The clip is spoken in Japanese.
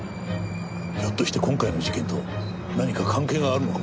ひょっとして今回の事件と何か関係があるのかもしれない。